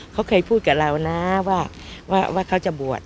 เขาเคยพูดกับเรานะว่าเขาจะบวช